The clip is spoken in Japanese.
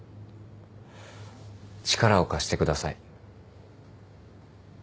力を貸してください。